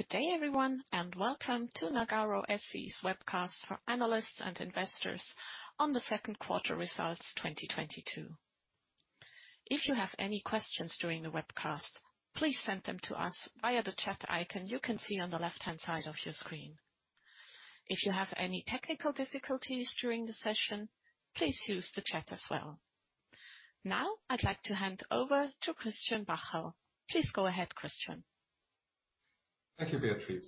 Good day everyone, and welcome to Nagarro SE’s webcast for analysts and investors on the second quarter results 2022. If you have any questions during the webcast, please send them to us via the chat icon you can see on the left-hand side of your screen. If you have any technical difficulties during the session, please use the chat as well. Now, I'd like to hand over to Christian Angermayer. Please go ahead, Christian. Thank you, Beatrice.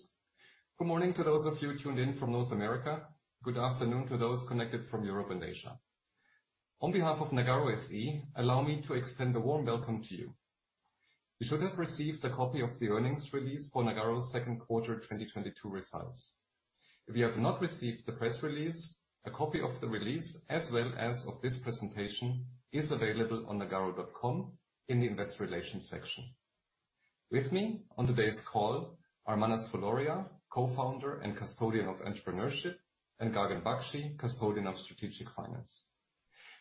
Good morning to those of you tuned in from North America. Good afternoon to those connected from Europe and Asia. On behalf of Nagarro SE, allow me to extend a warm welcome to you. You should have received a copy of the earnings release for Nagarro's second quarter 2022 results. If you have not received the press release, a copy of the release as well as of this presentation, is available on nagarro.com in the investor relations section. With me on today's call are Manas Fuloria, Co-Founder and Custodian of Entrepreneurship, and Gagan Bakshi, Custodian of Strategic Finance.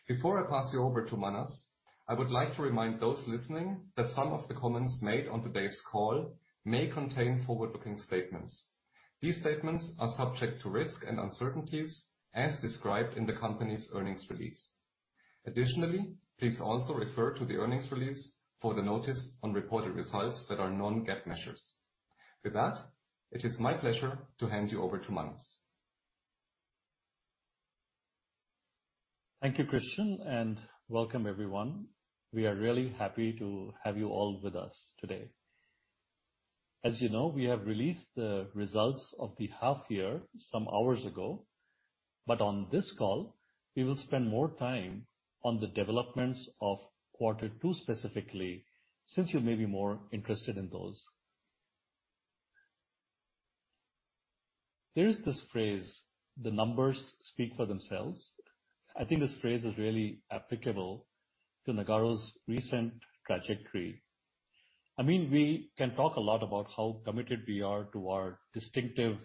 Before I pass you over to Manas, I would like to remind those listening that some of the comments made on today's call may contain forward-looking statements. These statements are subject to risks and uncertainties as described in the company's earnings release. Additionally, please also refer to the earnings release for the notice on reported results that are non-GAAP measures. With that, it is my pleasure to hand you over to Manas. Thank you, Christian, and welcome everyone. We are really happy to have you all with us today. As you know, we have released the results of thehalf-year some hours ago, but on this call, we will spend more time on the developments of quarter two specifically, since you may be more interested in those. There is this phrase, "The numbers speak for themselves." I think this phrase is really applicable to Nagarro's recent trajectory. I mean, we can talk a lot about how committed we are to our distinctive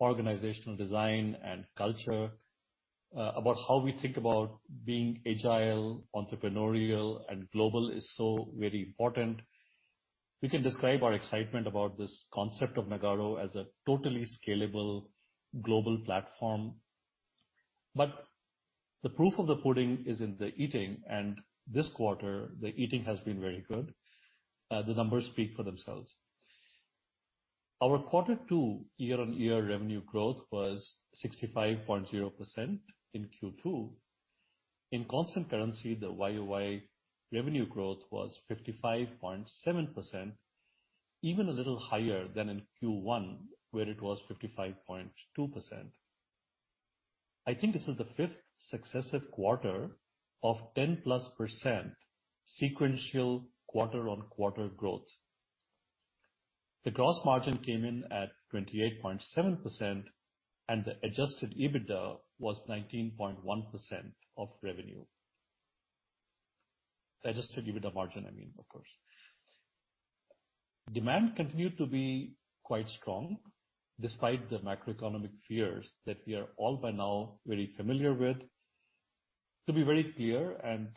organizational design and culture, about how we think about being agile, entrepreneurial, and global is so very important. We can describe our excitement about this concept of Nagarro as a totally scalable global platform. The proof of the pudding is in the eating, and this quarter, the eating has been very good. The numbers speak for themselves. Our quarter two year-on-year revenue growth was 65.0% in Q2. In constant currency, the YoY revenue growth was 55.7%, even a little higher than in Q1, where it was 55.2%. I think this is the fifth successive quarter of 10%+ sequential quarter-on-quarter growth. The gross margin came in at 28.7%, and the adjusted EBITDA was 19.1% of revenue. Adjusted EBITDA margin, I mean, of course. Demand continued to be quite strong despite the macroeconomic fears that we are all by now very familiar with. To be very clear and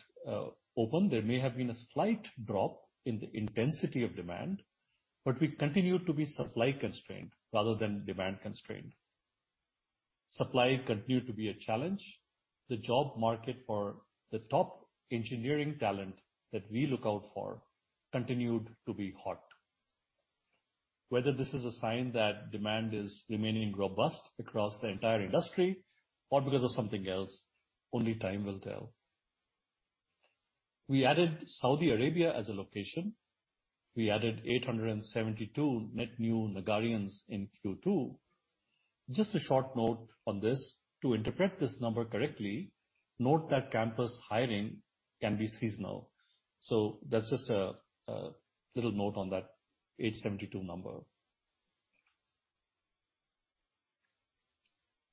open, there may have been a slight drop in the intensity of demand, but we continue to be supply constrained rather than demand constrained. Supply continued to be a challenge. The job market for the top engineering talent that we look out for continued to be hot. Whether this is a sign that demand is remaining robust across the entire industry or because of something else, only time will tell. We added Saudi Arabia as a location. We added 872 net new Nagarrians in Q2. Just a short note on this, to interpret this number correctly, note that campus hiring can be seasonal. That's just a little note on that 872 number.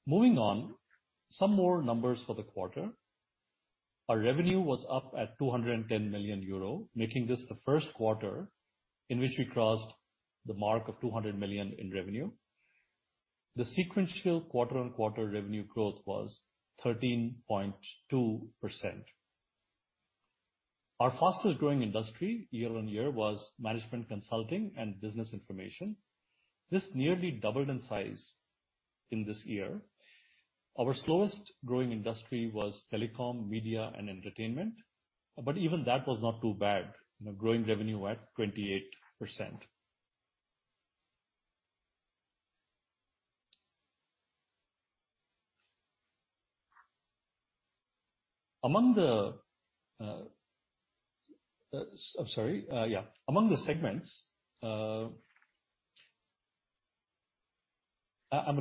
Moving on, some more numbers for the quarter. Our revenue was up at 210 million euro, making this the first quarter in which we crossed the mark of 200 million in revenue. The sequential quarter-on-quarter revenue growth was 13.2%. Our fastest-growing industry year-on-year was management consulting and business information. This nearly doubled in size in this year. Our slowest growing industry was telecom, media, and entertainment, but even that was not too bad. You know, growing revenue at 28%. Among the segments, the Rest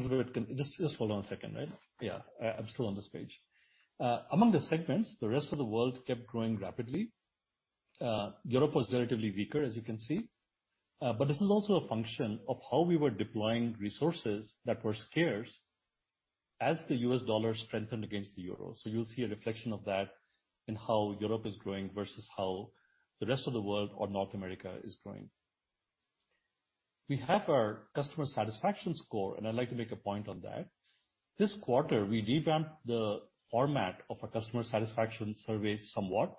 of the world kept growing rapidly. Europe was relatively weaker, as you can see. This is also a function of how we were deploying resources that were scarce as the U.S. dollar strengthened against the euro. You'll see a reflection of that in how Europe is growing versus how the Rest of the world or North America is growing. We have our customer satisfaction score, and I'd like to make a point on that. This quarter, we revamped the format of our customer satisfaction survey somewhat.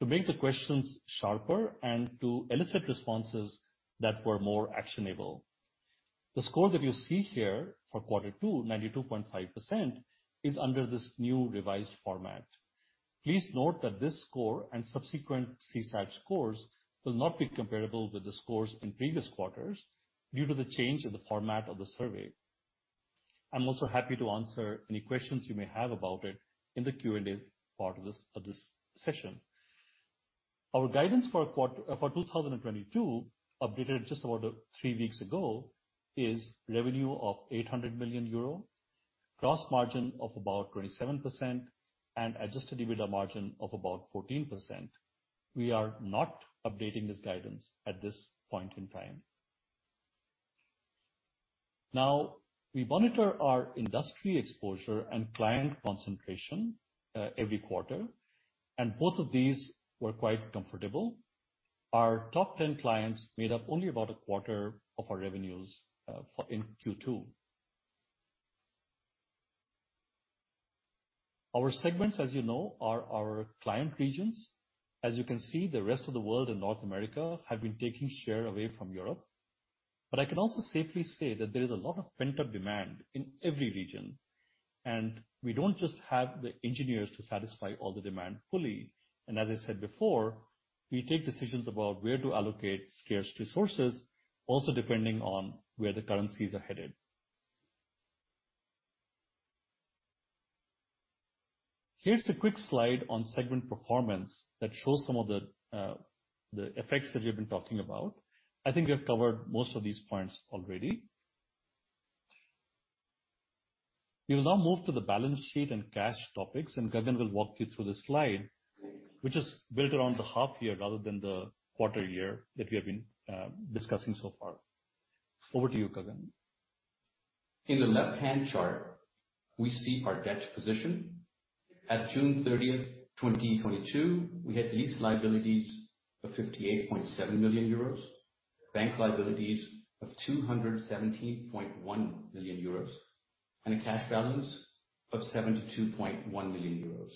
To make the questions sharper and to elicit responses that were more actionable. The score that you see here for quarter two, 92.5%, is under this new revised format. Please note that this score and subsequent CSAT scores will not be comparable with the scores in previous quarters due to the change in the format of the survey. I'm also happy to answer any questions you may have about it in the Q&A part of this session. Our guidance for 2022, updated just about three weeks ago, is revenue of 800 million euro, gross margin of about 27% and adjusted EBITDA margin of about 14%. We are not updating this guidance at this point in time. Now, we monitor our industry exposure and client concentration every quarter, and both of these were quite comfortable. Our top 10 clients made up only about a quarter of our revenues for in Q2. Our segments, as you know, are our client regions. As you can see, the rest of the world and North America have been taking share away from Europe. I can also safely say that there is a lot of pent-up demand in every region, and we don't just have the engineers to satisfy all the demand fully. as I said before, we take decisions about where to allocate scarce resources, also depending on where the currencies are headed. Here's the quick slide on segment performance that shows some of the effects that we have been talking about. I think we have covered most of these points already. We will now move to the balance sheet and cash topics, and Gagan will walk you through this slide, which is built around thehalf-year rather than the quarter year that we have been discussing so far. Over to you, Gagan. In the left-hand chart, we see our debt position. At June 30, 2022, we had lease liabilities of 58.7 million euros, bank liabilities of 217.1 million euros, and a cash balance of 72.1 million euros,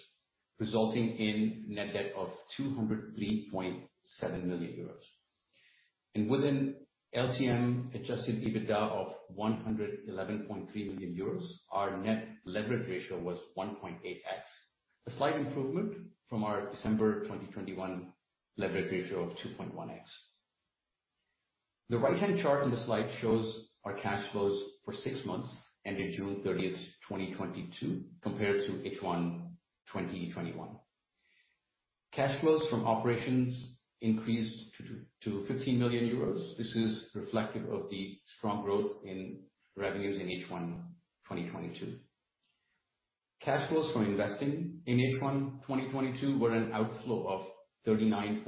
resulting in net debt of 203.7 million euros. Within LTM adjusted EBITDA of 111.3 million euros, our net leverage ratio was 1.8x. A slight improvement from our December 2021 leverage ratio of 2.1x. The right-hand chart in the slide shows our cash flows for six months ended June 30, 2022, compared to H1 2021. Cash flows from operations increased to 15 million euros. This is reflective of the strong growth in revenues in H1 2022. Cash flows from investing in H1 2022 were an outflow of 39.2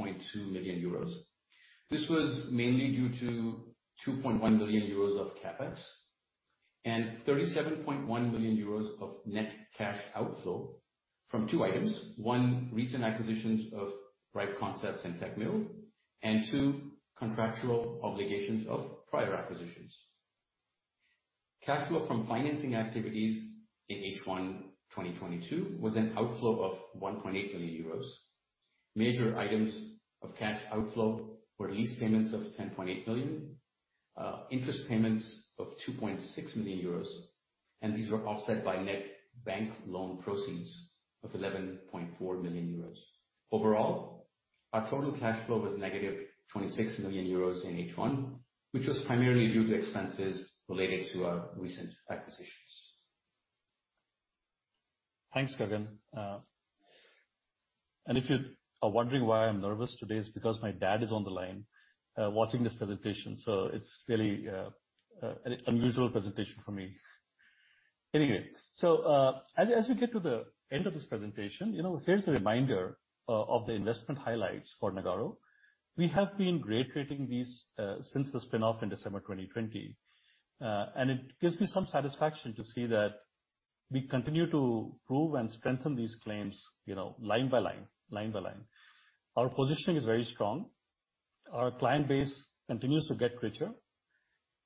million euros. This was mainly due to 2.1 million euros of CapEx and 37.1 million euros of net cash outflow from two items. One, recent acquisitions of RipeConcepts and Techmill. Two, contractual obligations of prior acquisitions. Cash flow from financing activities in H1 2022 was an outflow of 1.8 million euros. Major items of cash outflow were lease payments of 10.8 million, interest payments of 2.6 million euros, and these were offset by net bank loan proceeds of 11.4 million euros. Overall, our total cash flow was negative 26 million euros in H1, which was primarily due to expenses related to our recent acquisitions. Thanks, Gagan. If you are wondering why I'm nervous today, it's because my dad is on the line, watching this presentation, so it's really an unusual presentation for me. Anyway, as we get to the end of this presentation, you know, here's a reminder of the investment highlights for Nagarro. We have been great creating these since the spin-off in December 2020. It gives me some satisfaction to see that we continue to prove and strengthen these claims, you know, line by line. Our positioning is very strong. Our client base continues to get richer.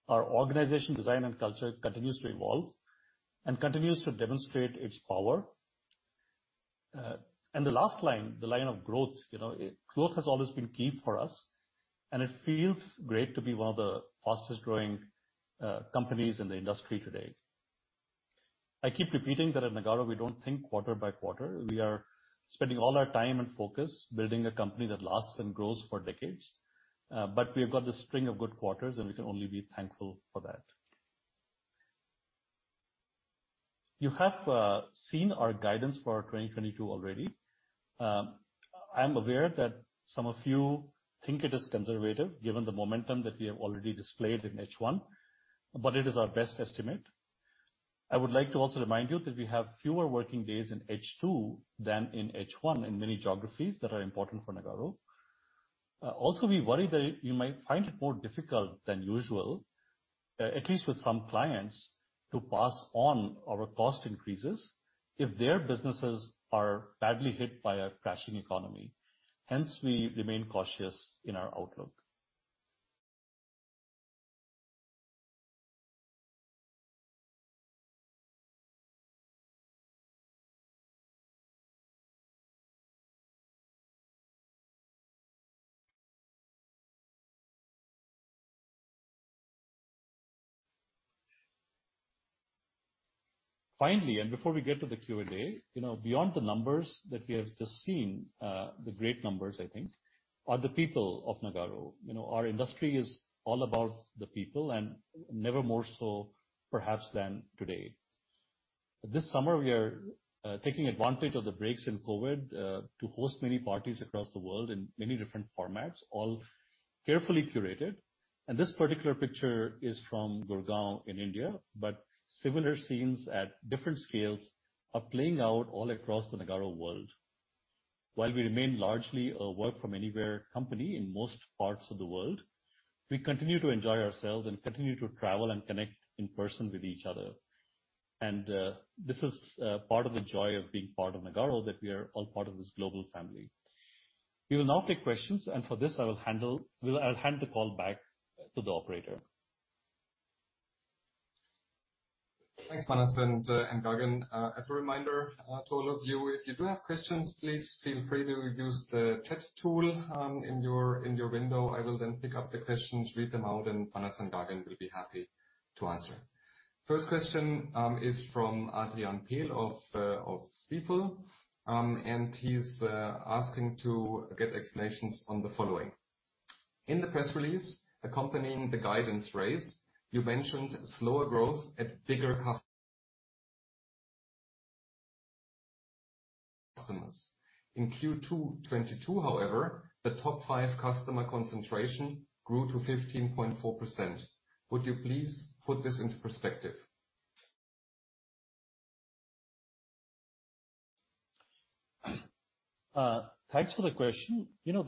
Our organization design and culture continues to evolve and continues to demonstrate its power. The last line, the line of growth. You know, growth has always been key for us, and it feels great to be one of the fastest growing companies in the industry today. I keep repeating that at Nagarro, we don't think quarter by quarter. We are spending all our time and focus building a company that lasts and grows for decades. We have got the string of good quarters, and we can only be thankful for that. You have seen our guidance for 2022 already. I am aware that some of you think it is conservative given the momentum that we have already displayed in H1, but it is our best estimate. I would like to also remind you that we have fewer working days in H2 than in H1 in many geographies that are important for Nagarro. Also, we worry that you might find it more difficult than usual, at least with some clients, to pass on our cost increases if their businesses are badly hit by a crashing economy. Hence, we remain cautious in our outlook. Finally, before we get to the Q&A, you know, beyond the numbers that we have just seen, the great numbers I think, are the people of Nagarro. You know, our industry is all about the people and never more so perhaps than today. This summer, we are taking advantage of the breaks in COVID to host many parties across the world in many different formats, all carefully curated. This particular picture is from Gurugram in India, but similar scenes at different scales are playing out all across the Nagarro world. While we remain largely a work-from-anywhere company in most parts of the world, we continue to enjoy ourselves and continue to travel and connect in person with each other. This is part of the joy of being part of Nagarro, that we are all part of this global family. We will now take questions, and for this I'll hand the call back to the operator. Thanks, Manas and Gagan. As a reminder to all of you, if you do have questions, please feel free to use the text tool in your window. I will then pick up the questions, read them out, and Manas and Gagan will be happy to answer. First question is from Adrian Pehl of Stifel. He's asking to get explanations on the following. In the press release accompanying the guidance raise, you mentioned slower growth at bigger customers. In Q2 2022, however, the top five customer concentration grew to 15.4%. Would you please put this into perspective? Thanks for the question. You know,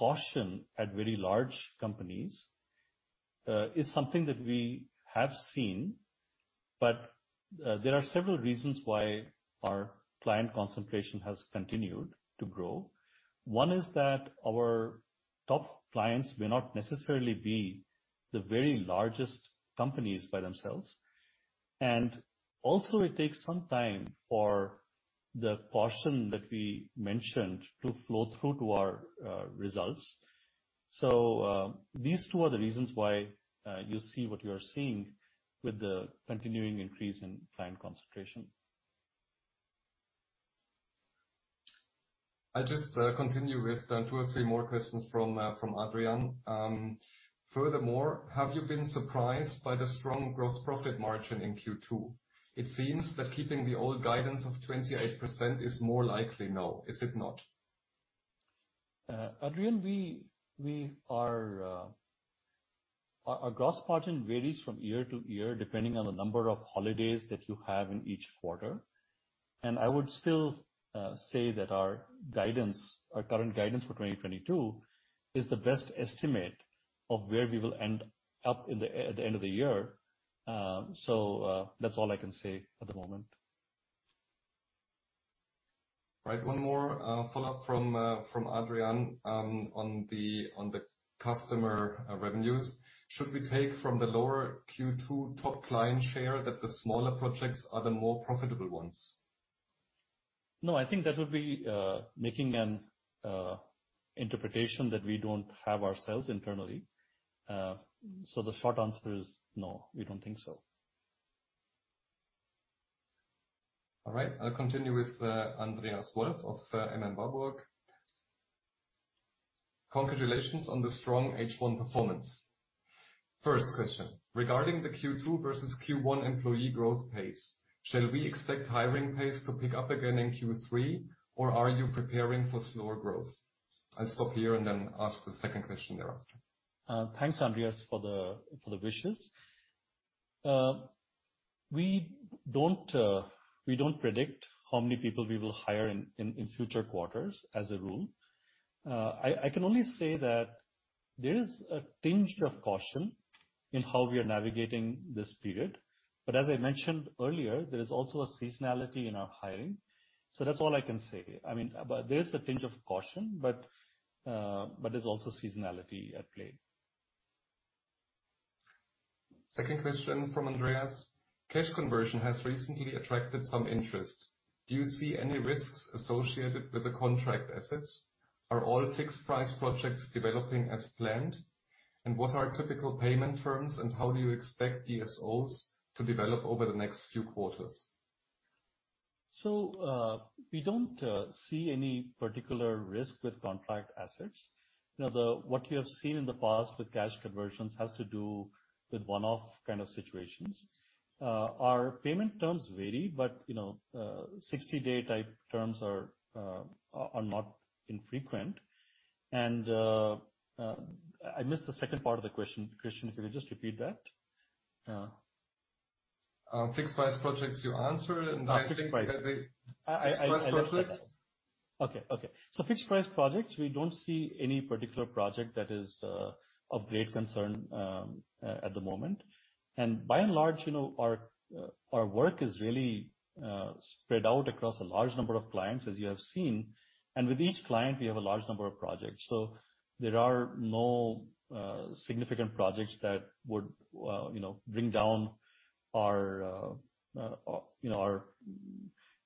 the caution at very large companies is something that we have seen, but there are several reasons why our client concentration has continued to grow. One is that our top clients may not necessarily be the very largest companies by themselves. It takes some time for the caution that we mentioned to flow through to our results. These two are the reasons why you see what you are seeing with the continuing increase in client concentration. I'll just continue with two or three more questions from Adrian. Furthermore, have you been surprised by the strong gross profit margin in Q2? It seems that keeping the old guidance of 28% is more likely now, is it not? Adrian, our gross margin varies from year-to-year depending on the number of holidays that you have in each quarter. I would still say that our guidance, our current guidance for 2022, is the best estimate of where we will end up at the end of the year. That's all I can say at the moment. Right. One more follow-up from Adrian on the customer revenues. Should we take from the lower Q2 top client share that the smaller projects are the more profitable ones? No, I think that would be making an interpretation that we don't have ourselves internally. The short answer is no, we don't think so. All right. I'll continue with Andreas M.M.Warburg & CO. Congratulations on the strong H1 performance. First question, regarding the Q2 versus Q1 employee growth pace, shall we expect hiring pace to pick up again in Q3, or are you preparing for slower growth? I'll stop here and then ask the second question thereafter. Thanks, Andreas, for the wishes. We don't predict how many people we will hire in future quarters, as a rule. I can only say that there is a tinge of caution in how we are navigating this period, but as I mentioned earlier, there is also a seasonality in our hiring. That's all I can say. I mean, but there's a tinge of caution, but there's also seasonality at play. Second question from Andreas: Cash conversion has recently attracted some interest. Do you see any risks associated with the contract assets? Are all fixed-price projects developing as planned? What are typical payment terms and how do you expect DSOs to develop over the next few quarters? We don't see any particular risk with contract assets. You know, what you have seen in the past with cash conversions has to do with one-off kind of situations. Our payment terms vary, but, you know, 60-day type terms are not infrequent. I missed the second part of the question. Christian, if you could just repeat that? Fixed-price projects you answered, and I think. Fixed-price. Fixed-price projects. Okay. Okay. Fixed-price projects, we don't see any particular project that is of great concern at the moment. By and large, you know, our work is really spread out across a large number of clients, as you have seen. With each client, we have a large number of projects. There are no significant projects that would, you know, bring down our, you know, our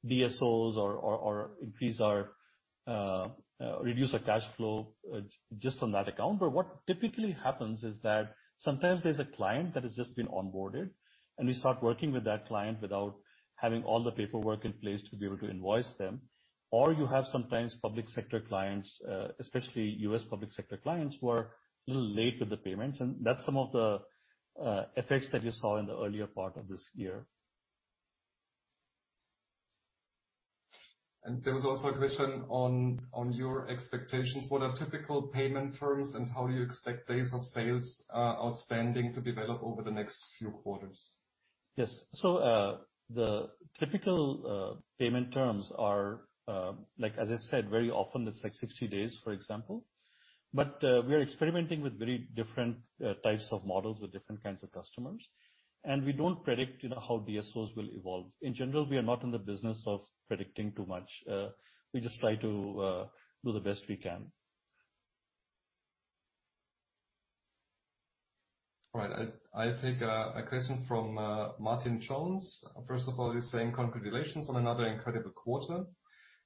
DSOs or reduce our cash flow just on that account. What typically happens is that sometimes there's a client that has just been onboarded, and we start working with that client without having all the paperwork in place to be able to invoice them. You have sometimes public sector clients, especially U.S. public sector clients, who are a little late with the payments. That's some of the effects that you saw in the earlier part of this year. There was also a question on your expectations. What are typical payment terms, and how do you expect Days Sales Outstanding to develop over the next few quarters? Yes. The typical payment terms are, like, as I said, very often it's like 60 days, for example. We are experimenting with very different types of models with different kinds of customers. We don't predict, you know, how DSOs will evolve. In general, we are not in the business of predicting too much. We just try to do the best we can. All right. I'll take a question from Martin Jones. First of all, he's saying congratulations on another incredible quarter.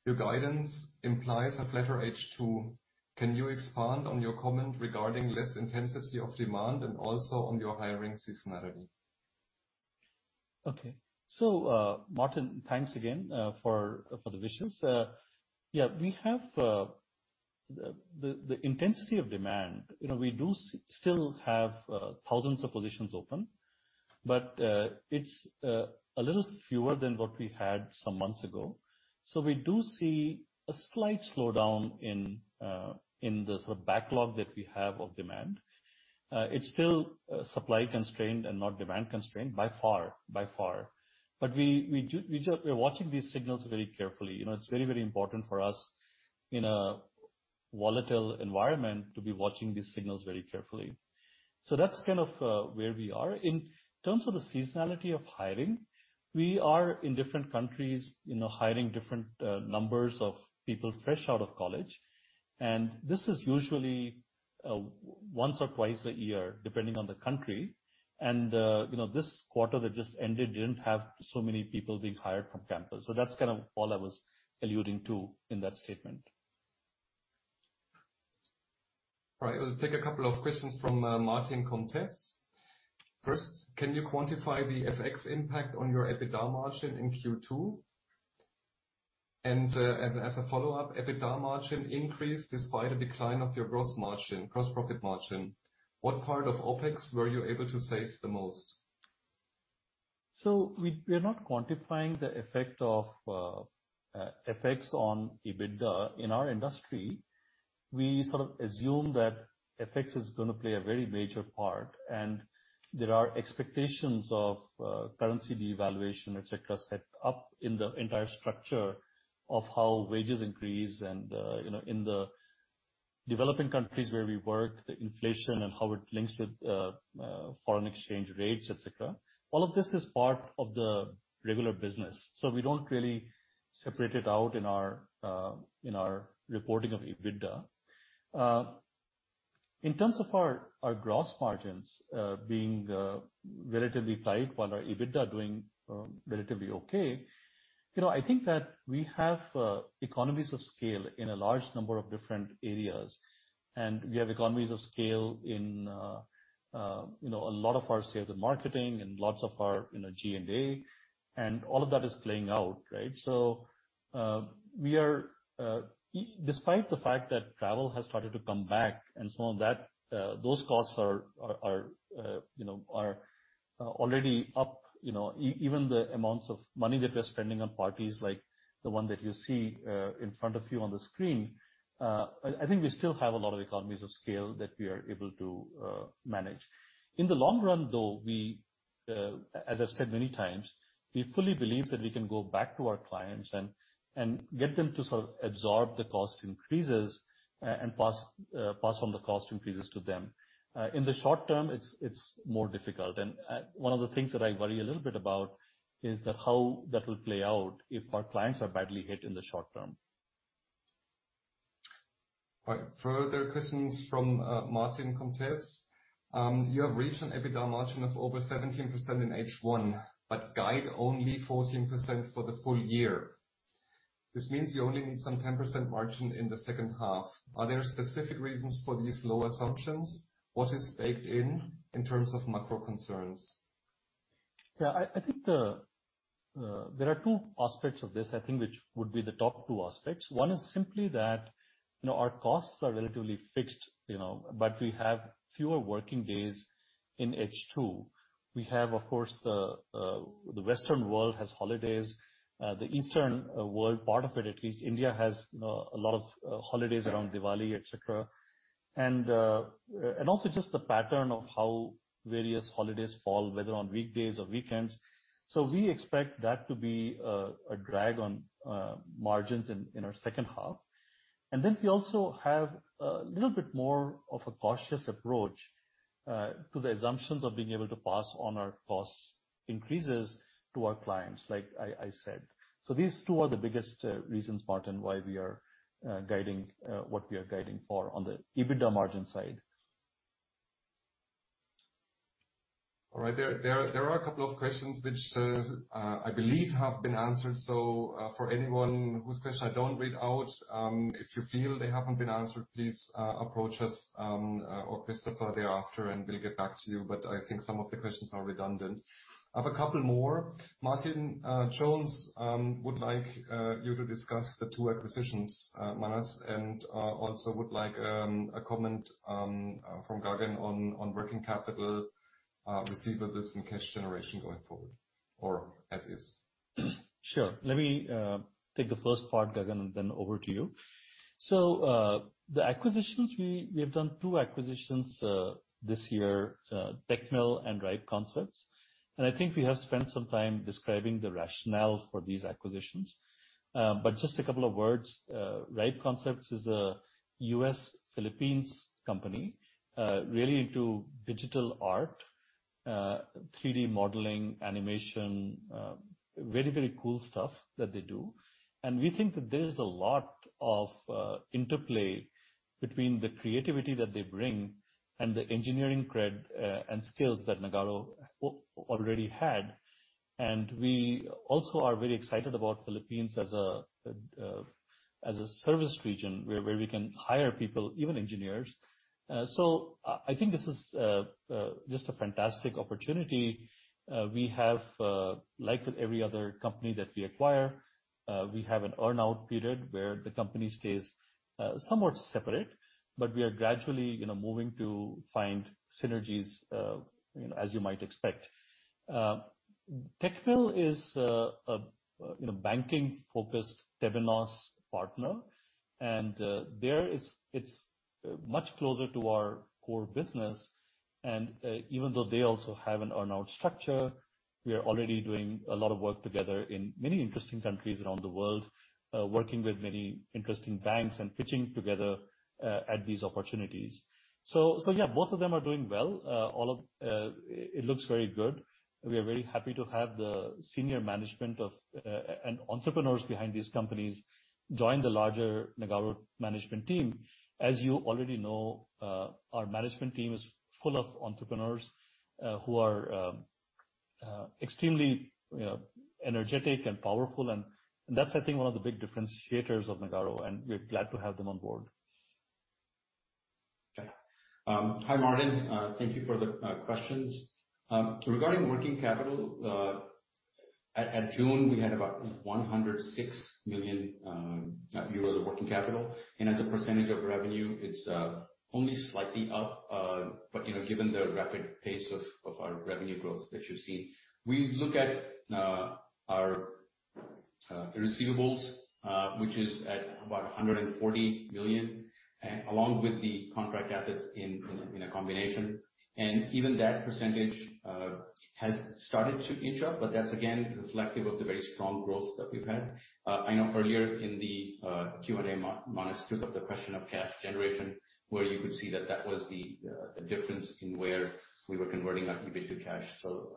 Your guidance implies a flatter H2. Can you expand on your comment regarding less intensity of demand and also on your hiring seasonality? Okay, Martin, thanks again for the wishes. Yeah, we have the intensity of demand, you know, we do still have thousands of positions open, but it's a little fewer than what we had some months ago. We do see a slight slowdown in the sort of backlog that we have of demand. It's still supply constrained and not demand constrained by far. We're watching these signals very carefully. You know, it's very, very important for us in a volatile environment to be watching these signals very carefully. That's kind of where we are. In terms of the seasonality of hiring, we are in different countries, you know, hiring different numbers of people fresh out of college. This is usually once or twice a year, depending on the country. You know, this quarter that just ended didn't have so many people being hired from campus. That's kind of all I was alluding to in that statement. All right, we'll take a couple of questions from Martin Comtesse. First, can you quantify the FX impact on your EBITDA margin in Q2? As a follow-up, EBITDA margin increased despite a decline of your gross profit margin. What part of OpEx were you able to save the most? We're not quantifying the effect of FX on EBITDA. In our industry, we sort of assume that FX is gonna play a very major part, and there are expectations of currency devaluation, et cetera, set up in the entire structure of how wages increase and, you know, in the developing countries where we work, the inflation and how it links with foreign exchange rates, et cetera. All of this is part of the regular business, so we don't really separate it out in our reporting of EBITDA. In terms of our gross margins being relatively tight while our EBITDA doing relatively okay, you know, I think that we have economies of scale in a large number of different areas, and we have economies of scale in, you know, a lot of our sales and marketing and lots of our, you know, G&A, and all of that is playing out, right? Despite the fact that travel has started to come back and some of those costs are, you know, already up, you know, even the amounts of money that we're spending on parties like the one that you see in front of you on the screen, I think we still have a lot of economies of scale that we are able to manage. In the long run, though, we, as I've said many times, we fully believe that we can go back to our clients and get them to sort of absorb the cost increases and pass on the cost increases to them. In the short term, it's more difficult. One of the things that I worry a little bit about is that how that will play out if our clients are badly hit in the short term. All right. Further questions from Martin Comtesse. You have reached an EBITDA margin of over 17% in H1, but guide only 14% for the full year. This means you only need some 10% margin in the second half. Are there specific reasons for these low assumptions? What is baked in in terms of macro concerns? Yeah. I think there are two aspects of this, I think, which would be the top two aspects. One is simply that, you know, our costs are relatively fixed, you know, but we have fewer working days in H2. We have, of course, the Western world has holidays. The Eastern world, part of it at least, India has a lot of holidays around Diwali, et cetera. And also just the pattern of how various holidays fall, whether on weekdays or weekends. We expect that to be a drag on margins in our second half. We also have a little bit more of a cautious approach to the assumptions of being able to pass on our cost increases to our clients, like I said. These two are the biggest reasons, Martin, why we are guiding what we are guiding for on the EBITDA margin side. All right. There are a couple of questions which I believe have been answered. For anyone whose question I don't read out, if you feel they haven't been answered, please, approach us, or Christopher thereafter, and we'll get back to you. I think some of the questions are redundant. I have a couple more. Martin Jones would like you to discuss the two acquisitions, Manas, and also would like a comment from Gagan on working capital, receivables and cash generation going forward or as is. Sure. Let me take the first part, Gagan, and then over to you. The acquisitions, we have done two acquisitions this year, Techmill and RipeConcepts, and I think we have spent some time describing the rationale for these acquisitions. Just a couple of words. RipeConcepts is a U.S.–Philippines company, really into digital art, 3D modeling, animation, very cool stuff that they do. We think that there's a lot of interplay between the creativity that they bring and the engineering credibility and skills that Nagarro already had. We also are very excited about Philippines as a service region where we can hire people, even engineers. I think this is just a fantastic opportunity. We have, like every other company that we acquire, we have an earn-out period where the company stays somewhat separate, but we are gradually, you know, moving to find synergies, you know, as you might expect. Techmill is a banking-focused Temenos partner, and there it's much closer to our core business. Even though they also have an earn-out structure, we are already doing a lot of work together in many interesting countries around the world, working with many interesting banks and pitching together at these opportunities. Yeah, both of them are doing well. It looks very good. We are very happy to have the senior management and entrepreneurs behind these companies join the larger Nagarro management team. As you already know, our management team is full of entrepreneurs, who are extremely, you know, energetic and powerful, and that's, I think, one of the big differentiators of Nagarro, and we're glad to have them on board. Okay. Hi, Martin. Thank you for the questions. Regarding working capital, at June, we had about 106 million euros of working capital. As a percentage of revenue, it's only slightly up, but you know, given the rapid pace of our revenue growth that you've seen. We look at our receivables, which is at about 140 million, along with the contract assets in a combination. Even that percentage has started to inch up, but that's again reflective of the very strong growth that we've had. I know earlier in the Q&A, Manas took up the question of cash generation, where you could see that was the difference in where we were converting our EBIT to cash.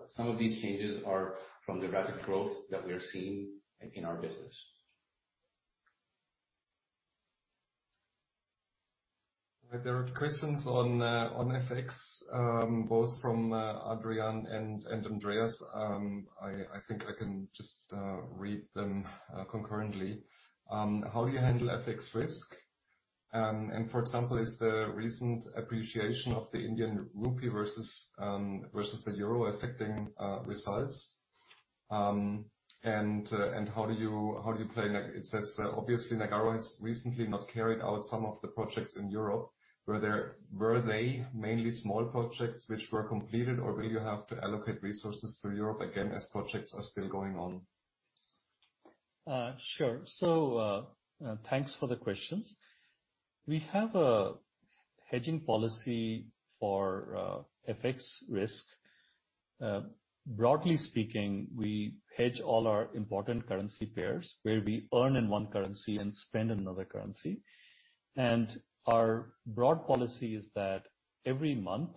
Some of these changes are from the rapid growth that we are seeing in our business. There are questions on FX both from Adrian Peel and Andreas Wolf. I think I can just read them concurrently. How do you handle FX risk? For example, is the recent appreciation of the Indian rupee versus the euro affecting results? How do you plan like it says, obviously Nagarro has recently not carried out some of the projects in Europe. Were they mainly small projects which were completed, or will you have to allocate resources to Europe again as projects are still going on? Sure. Thanks for the questions. We have a hedging policy for FX risk. Broadly speaking, we hedge all our important currency pairs where we earn in one currency and spend in another currency. Our broad policy is that every month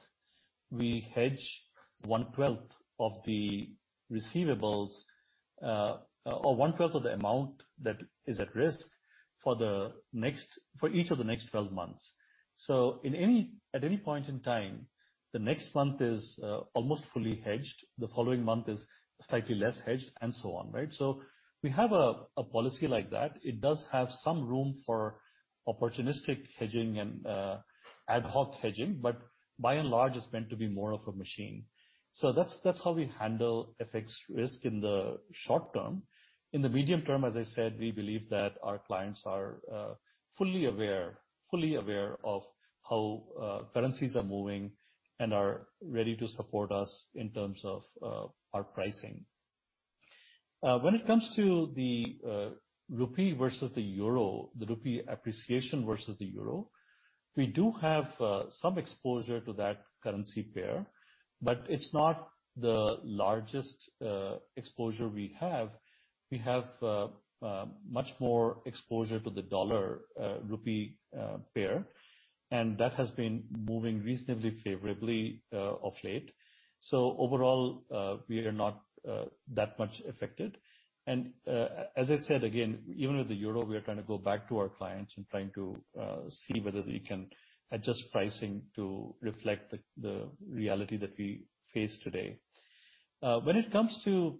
we hedge one-twelfth of the receivables, or one-twelfth of the amount that is at risk for each of the next 12 months. At any point in time, the next month is almost fully hedged, the following month is slightly less hedged, and so on, right? We have a policy like that. It does have some room for opportunistic hedging and ad hoc hedging, but by and large, it's meant to be more of a machine. That's how we handle FX risk in the short term. In the medium term, as I said, we believe that our clients are fully aware of how currencies are moving and are ready to support us in terms of our pricing. When it comes to the rupee versus the euro, we do have some exposure to that currency pair, but it's not the largest exposure we have. We have much more exposure to the dollar rupee pair, and that has been moving reasonably favorably of late. Overall, we are not that much affected. As I said again, even with the euro, we are trying to go back to our clients and trying to see whether we can adjust pricing to reflect the reality that we face today. When it comes to,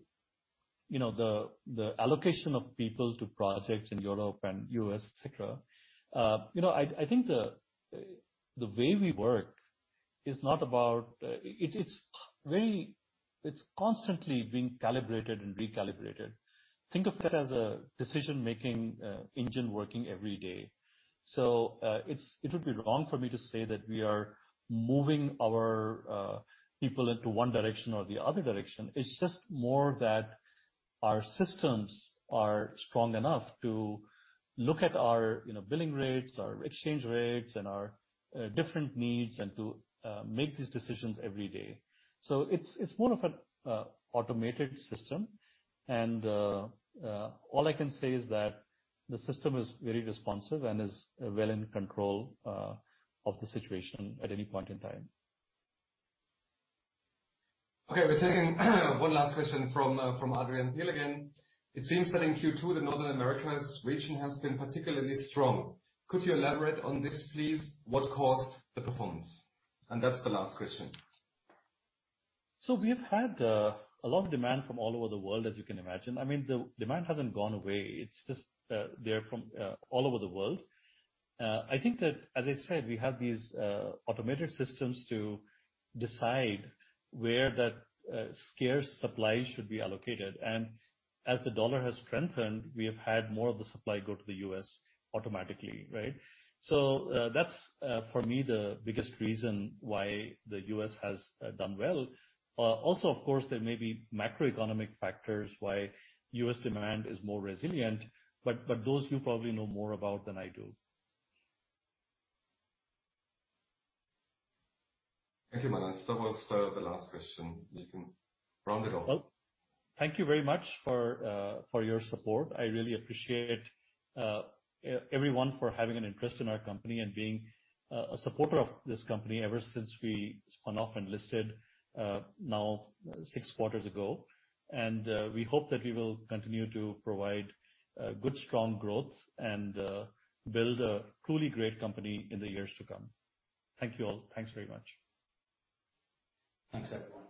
you know, the allocation of people to projects in Europe and U.S., et cetera, you know, I think the way we work is not about. It's really constantly being calibrated and recalibrated. Think of that as a decision-making engine working every day. It would be wrong for me to say that we are moving our people into one direction or the other direction. It's just more that our systems are strong enough to look at our, you know, billing rates, our exchange rates, and our different needs, and to make these decisions every day. It's more of an automated system and all I can say is that the system is very responsive and is well in control of the situation at any point in time. Okay, we're taking one last question from Adrian Peel again. It seems that in Q2, the North America region has been particularly strong. Could you elaborate on this, please? What caused the performance? That's the last question. We have had a lot of demand from all over the world, as you can imagine. I mean, the demand hasn't gone away. It's just there from all over the world. I think that, as I said, we have these automated systems to decide where that scarce supply should be allocated. As the U.S. dollar has strengthened, we have had more of the supply go to the U.S. automatically, right? That's for me, the biggest reason why the U.S. has done well. Also, of course, there may be macroeconomic factors why U.S. demand is more resilient, but those you probably know more about than I do. Thank you, Manas. That was the last question. You can round it off. Well, thank you very much for your support. I really appreciate everyone for having an interest in our company and being a supporter of this company ever since we spun off and listed now six quarters ago. We hope that we will continue to provide good, strong growth and build a truly great company in the years to come. Thank you all. Thanks very much. Thanks, everyone.